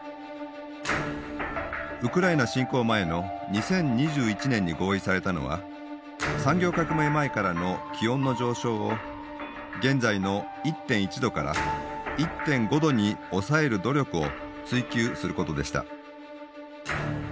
ウクライナ侵攻前の２０２１年に合意されたのは産業革命前からの気温の上昇を現在の１．１℃から１．５℃に抑える努力を追求することでした。